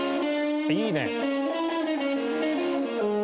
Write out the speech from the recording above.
いいね！